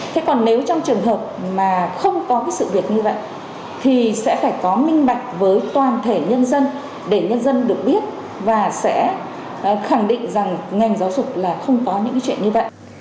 thế còn nếu trong trường hợp mà không có cái sự việc như vậy thì sẽ phải có minh bạch với toàn thể nhân dân để nhân dân được biết và sẽ khẳng định rằng ngành giáo dục là không có những cái chuyện như vậy